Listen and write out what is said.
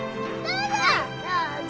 どうぞ！